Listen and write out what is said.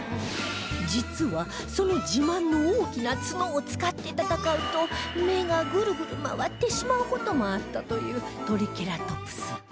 実はその自慢の大きなツノを使って戦うと目がグルグル回ってしまう事もあったというトリケラトプス